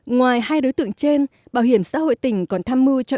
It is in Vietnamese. ngoài hai đối tượng trên bảo hiểm xã hội tỉnh còn tham mưu cho những người